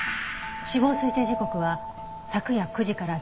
死亡推定時刻は昨夜９時から１１時。